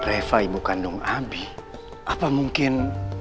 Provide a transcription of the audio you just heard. reva ibu kandung abi apa mungkin